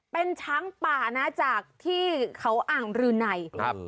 เป็นช้างป่านะจากที่เขาอ่างรืนัยครับ